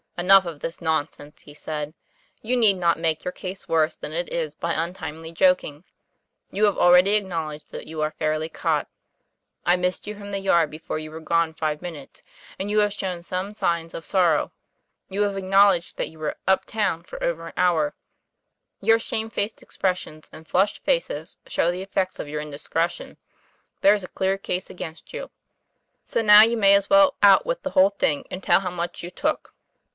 '* Enough of this nonsense," he said. "You need not make your case worse than it is by untimely joking. You have already acknowledged that you are fairly caught. I missed you from the yard be fore you were gone five minutes and you have shown some signs of sorrow ; you have acknowledged that you were "uptown' for over an hour; your shamefaced expressions and flushed faces show the effects of your indiscretion there's a clear case against you. So, now, you may as well out with the whole thing, and tell how much you took."